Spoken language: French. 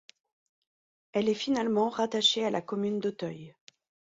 Elle est finalement rattachée à la commune d'Auteuil.